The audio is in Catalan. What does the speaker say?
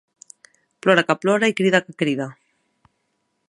Plora que plora i crida que crida